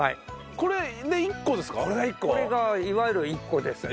これがいわゆる１個ですね。